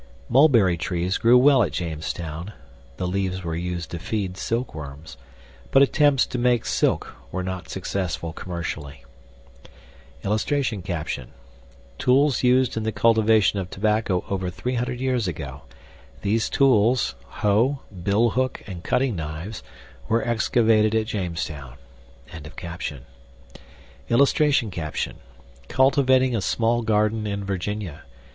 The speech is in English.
Mulberry trees grew well at Jamestown (the leaves were used to feed silk worms), but attempts to make silk were not successful commercially. [Illustration: TOOLS USED IN THE CULTIVATION OF TOBACCO OVER 300 YEARS AGO. THESE TOOLS HOE, BILLHOOK, AND CUTTING KNIVES WERE EXCAVATED AT JAMESTOWN.] [Illustration: CULTIVATING A SMALL GARDEN IN VIRGINIA.